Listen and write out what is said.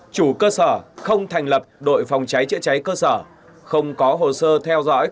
chủ cơ sở không thành lập đội phòng cháy chữa cháy cơ sở không có hồ sơ theo dõi